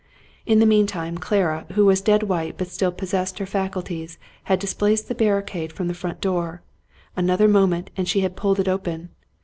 In the meantime, Clara, who was dead white but still possessed her faculties, had displaced the barricade from the front door. Another moment, and she had pulled it open.